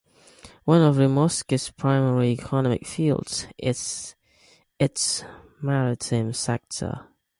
One of Rimouski's primary economic fields is its maritime sector.